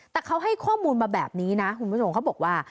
แต่เขาให้ข้อมูลมาแบบนี้นะคุณผู้ชมเขาบอกว่า